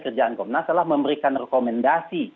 kerjaan komnas adalah memberikan rekomendasi